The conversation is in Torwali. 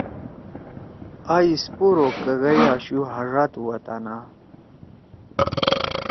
آ اسپور او کگئی اشُو ہاڙاد وطنا